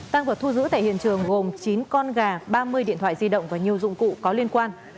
tăng vật thu giữ tại hiện trường gồm chín con gà ba mươi điện thoại di động và nhiều dụng cụ có liên quan